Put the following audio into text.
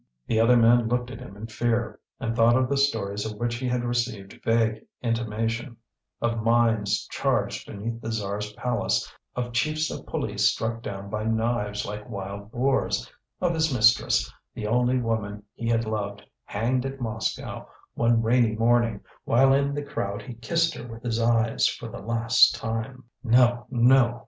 The other man looked at him in fear, and thought of the stories of which he had received vague intimation, of mines charged beneath the tsar's palace, of chiefs of police struck down by knives like wild boars, of his mistress, the only woman he had loved, hanged at Moscow one rainy morning, while in the crowd he kissed her with his eyes for the last time. "No! no!"